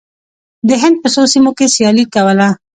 د هند په څو سیمو کې سیالي کوله.